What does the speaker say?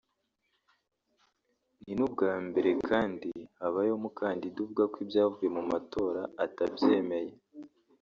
ni n’ubwa mbere kandi habayeho umukandida uvuga ko ibyavuye mu matora atabyemeye